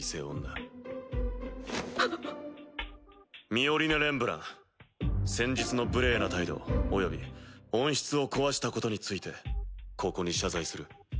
ミオリネ・レンブラン先日の無礼な態度および温室を壊したことについてここに謝罪する。